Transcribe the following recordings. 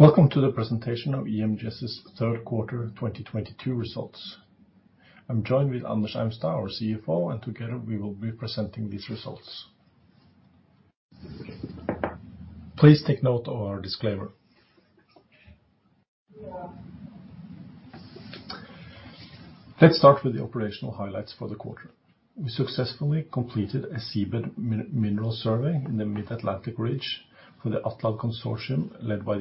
Welcome to the presentation of EMGS's third quarter 2022 results. I am joined with Anders Eimstad, our CFO, and together we will be presenting these results. Please take note of our disclaimer. Let's start with the operational highlights for the quarter. We successfully completed a seabed mineral survey in the Mid-Atlantic Ridge for the ATLAB consortium led by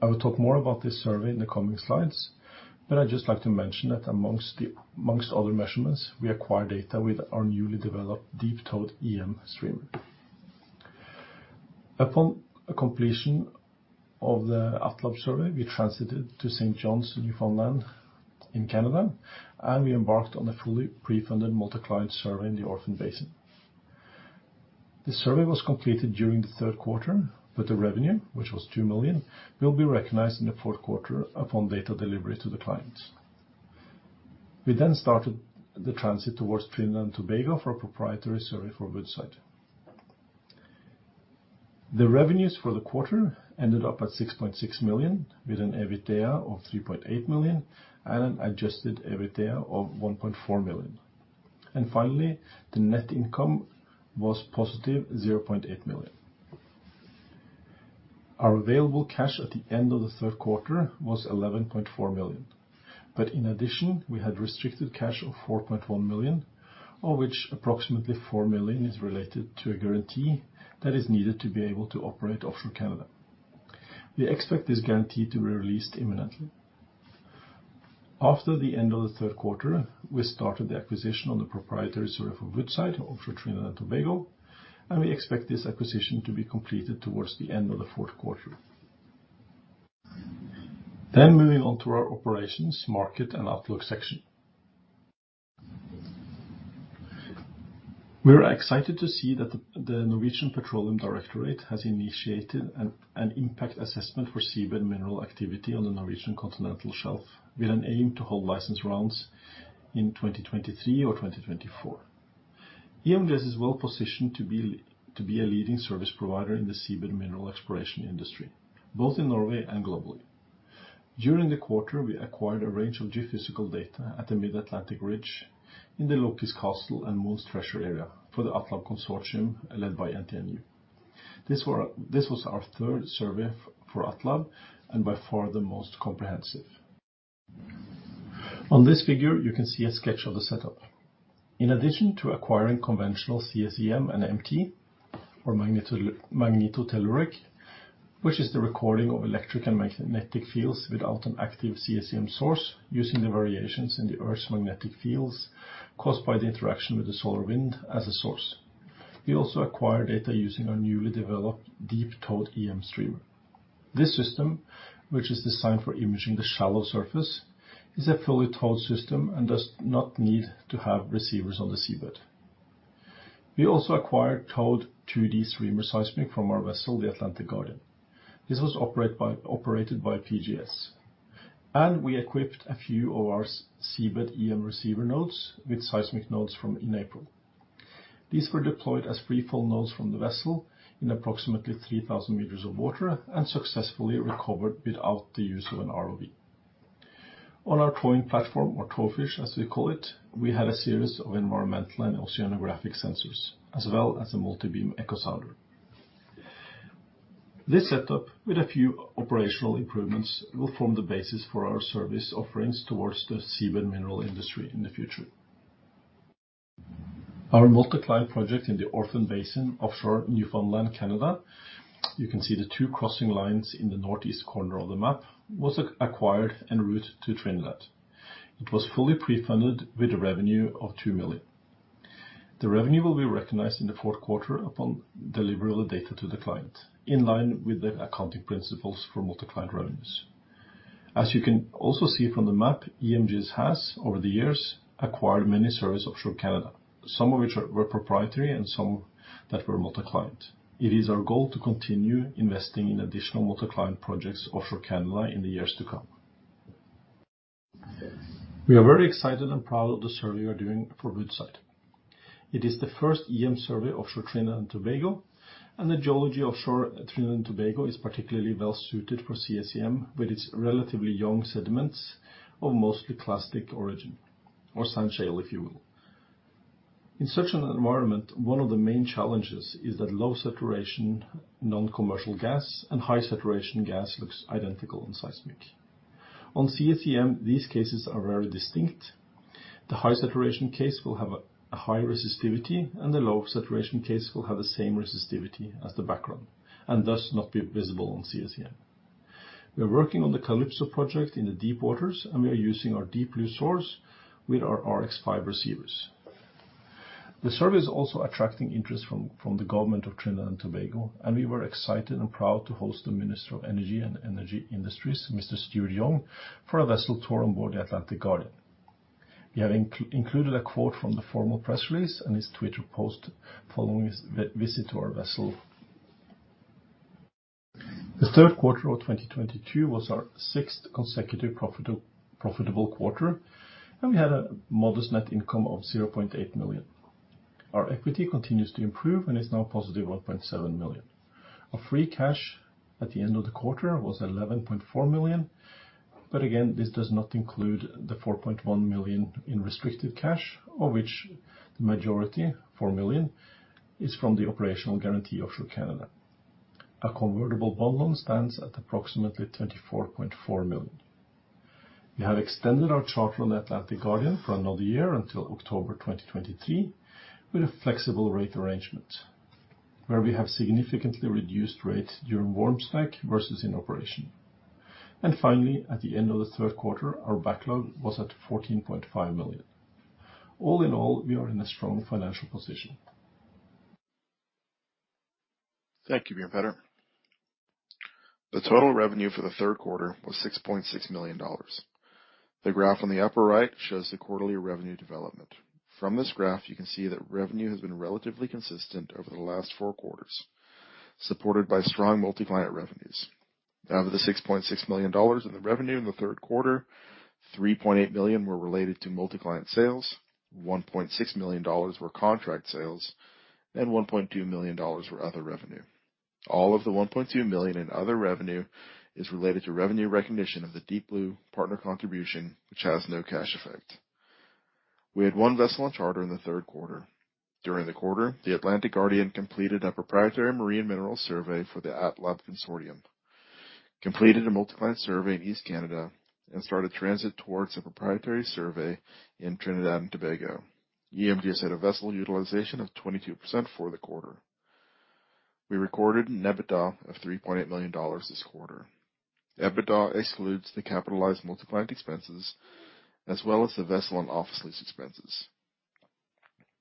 the NTNU. I will talk more about this survey in the coming slides, but I would just like to mention that amongst other measurements, we acquire data with our newly developed deep-towed EM streamer. Upon completion of the ATLAB survey, we transited to St. John's, Newfoundland in Canada, and we embarked on a fully pre-funded multi-client survey in the Orphan Basin. This survey was completed during the third quarter, but the revenue, which was $2 million, will be recognized in the fourth quarter upon data delivery to the clients. We then started the transit towards Trinidad and Tobago for a proprietary survey for Woodside. The revenues for the quarter ended up at $6.6 million, with an EBITDA of $3.8 million and an adjusted EBITDA of $1.4 million. Finally, the net income was positive $0.8 million. Our available cash at the end of the third quarter was $11.4 million. But in addition, we had restricted cash of $4.1 million, of which approximately $4 million is related to a guarantee that is needed to be able to operate offshore Canada. We expect this guarantee to be released imminently. After the end of the third quarter, we started the acquisition on the proprietary survey for Woodside offshore Trinidad and Tobago, and we expect this acquisition to be completed towards the end of the fourth quarter. Moving on to our operations, market, and outlook section. We are excited to see that the Norwegian Petroleum Directorate has initiated an impact assessment for seabed mineral activity on the Norwegian continental shelf with an aim to hold license rounds in 2023 or 2024. EMGS is well positioned to be a leading service provider in the seabed mineral exploration industry, both in Norway and globally. During the quarter, we acquired a range of geophysical data at the Mid-Atlantic Ridge in the Loki's Castle and Mohn's Treasure area for the ATLAB consortium led by NTNU. This was our third survey for ATLAB and by far the most comprehensive. On this figure, you can see a sketch of the setup. In addition to acquiring conventional CSEM and MT, or magnetotelluric, which is the recording of electric and magnetic fields without an active CSEM source, using the variations in the Earth's magnetic fields caused by the interaction with the solar wind as a source. We also acquire data using our newly developed deep-towed EM streamer. This system, which is designed for imaging the shallow surface, is a fully towed system and does not need to have receivers on the seabed. We also acquired towed 2D streamer seismic from our vessel, the Atlantic Guardian. This was operated by PGS. We equipped a few of our seabed EM receiver nodes with seismic nodes from inApril. These were deployed as freefall nodes from the vessel in approximately 3,000 meters of water and successfully recovered without the use of an ROV. On our towing platform or towfish, as we call it, we had a series of environmental and oceanographic sensors, as well as a multibeam echosounder. This setup, with a few operational improvements, will form the basis for our service offerings towards the seabed mineral industry in the future. Our multi-client project in the Orphan Basin offshore Newfoundland, Canada, you can see the two crossing lines in the northeast corner of the map, was acquired en route to Trinidad. It was fully pre-funded with a revenue of $2 million. The revenue will be recognized in the fourth quarter upon delivery of the data to the client, in line with the accounting principles for multi-client revenues. As you can also see from the map, EMGS has, over the years, acquired many surveys offshore Canada, some of which were proprietary and some that were multi-client. It is our goal to continue investing in additional multi-client projects offshore Canada in the years to come. We are very excited and proud of the survey we are doing for Woodside. It is the first EM survey offshore Trinidad and Tobago, and the geology offshore Trinidad and Tobago is particularly well-suited for CSEM with its relatively young sediments of mostly clastic origin, or sand shale, if you will. In such an environment, one of the main challenges is that low saturation non-commercial gas and high saturation gas looks identical on seismic. On CSEM, these cases are very distinct. The high saturation case will have a high resistivity, and the low saturation case will have the same resistivity as the background and thus not be visible on CSEM. We are working on the Calypso project in the deep waters, and we are using our DeepBlue source with our RX5 receivers. The survey is also attracting interest from the government of Trinidad and Tobago, and we were excited and proud to host the Minister of Energy and Energy Industries, Mr. Stuart Young, for a vessel tour on board the Atlantic Guardian. We have included a quote from the formal press release and his Twitter post following his visit to our vessel. The third quarter of 2022 was our sixth consecutive profitable quarter, and we had a modest net income of $0.8 million. Our equity continues to improve and is now positive $1.7 million. Our free cash at the end of the quarter was $11.4 million. But again, this does not include the $4.1 million in restricted cash, of which the majority, $4 million, is from the operational guarantee offshore Canada. Our convertible bond loan stands at approximately $24.4 million. Finally, at the end of the third quarter, our backlog was at $14.5 million. We have extended our charter on Atlantic Guardian for another year until October 2023, with a flexible rate arrangement where we have significantly reduced rates during warm stack versus in operation. All in all, we are in a strong financial position. Thank you, Bjørn Petter. The total revenue for the third quarter was $6.6 million. The graph on the upper right shows the quarterly revenue development. From this graph, you can see that revenue has been relatively consistent over the last four quarters, supported by strong multi-client revenues. Out of the $6.6 million in the revenue in the third quarter, $3.8 million were related to multi-client sales, $1.6 million were contract sales, and $1.2 million were other revenue. All of the $1.2 million in other revenue is related to revenue recognition of the DeepBlue partner contribution, which has no cash effect. We had one vessel on charter in the third quarter. During the quarter, the Atlantic Guardian completed a proprietary marine mineral survey for the ATLAB consortium, completed a multi-client survey in East Canada, and started transit towards a proprietary survey in Trinidad and Tobago. EMGS had a vessel utilization of 22% for the quarter. We recorded an EBITDA of $3.8 million this quarter. EBITDA excludes the capitalized multi-client expenses, as well as the vessel and office lease expenses.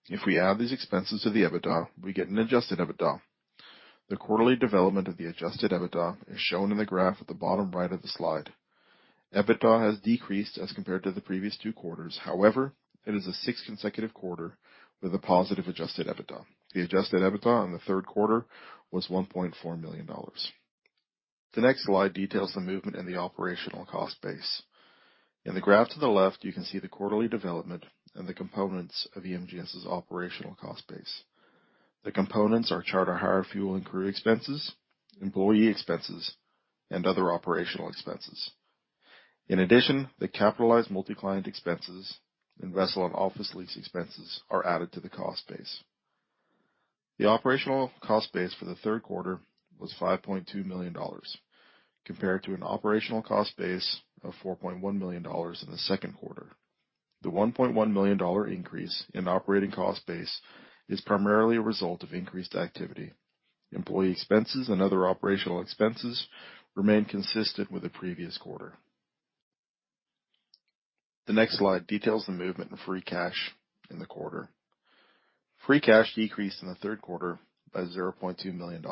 If we add these expenses to the EBITDA, we get an adjusted EBITDA. The quarterly development of the adjusted EBITDA is shown in the graph at the bottom right of the slide. EBITDA has decreased as compared to the previous two quarters. However, it is the sixth consecutive quarter with a positive adjusted EBITDA. The adjusted EBITDA in the third quarter was $1.4 million. The next slide details the movement in the operational cost base. In the graph to the left, you can see the quarterly development and the components of EMGS's operational cost base. The components are charter hire, fuel and crew expenses, employee expenses, and other operational expenses. In addition, the capitalized multi-client expenses and vessel and office lease expenses are added to the cost base. The operational cost base for the third quarter was $5.2 million, compared to an operational cost base of $4.1 million in the second quarter. The $1.1 million increase in operating cost base is primarily a result of increased activity. Employee expenses and other operational expenses remain consistent with the previous quarter. The next slide details the movement in free cash in the quarter. Free cash decreased in the third quarter by $0.2 million.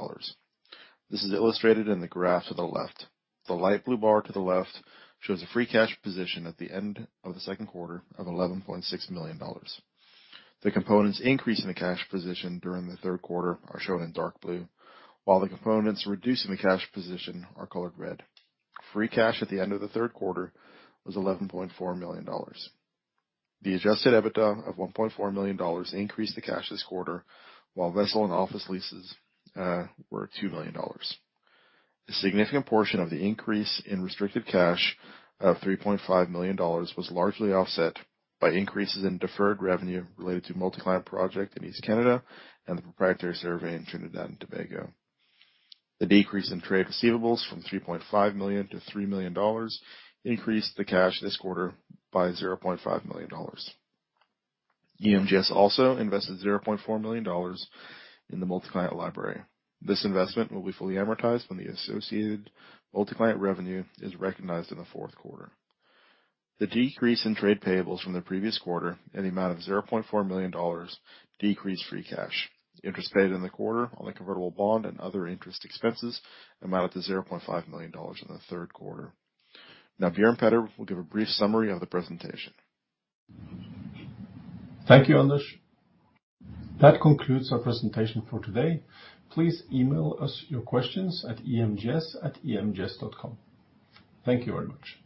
This is illustrated in the graph to the left. The light blue bar to the left shows a free cash position at the end of the second quarter of $11.6 million. The components increase in the cash position during the third quarter are shown in dark blue, while the components reducing the cash position are colored red. Free cash at the end of the third quarter was $11.4 million. The adjusted EBITDA of $1.4 million increased the cash this quarter, while vessel and office leases were $2 million. A significant portion of the increase in restricted cash of $3.5 million was largely offset by increases in deferred revenue related to multi-client project in East Canada and the proprietary survey in Trinidad and Tobago. The decrease in trade receivables from $3.5 million to $3 million increased the cash this quarter by $0.5 million. EMGS also invested $0.4 million in the multi-client library. This investment will be fully amortized when the associated multi-client revenue is recognized in the fourth quarter. The decrease in trade payables from the previous quarter in the amount of $0.4 million decreased free cash. Interest paid in the quarter on the convertible bond and other interest expenses amounted to $0.5 million in the third quarter. Now, Bjørn Petter will give a brief summary of the presentation. Thank you, Anders. That concludes our presentation for today. Please email us your questions at emgs@emgs.com. Thank you very much.